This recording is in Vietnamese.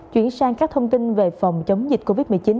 chuyển sang các thông tin về phòng chống dịch covid một mươi chín